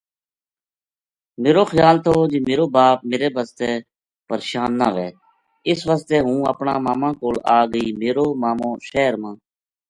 میرو خیال تھو جے میرو باپ میرے واسطے پرشان نہ وھے اس واسطے ہوں اپنا ما ما کول آ گئی میرو مامو شہر ما ر